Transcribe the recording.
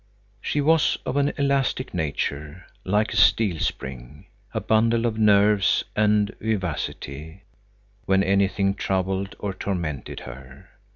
She was of an elastic nature, like a steel spring: a bundle of nerves and vivacity, when anything troubled or tormented her.